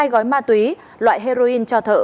hai gói ma túy loại heroin cho thợ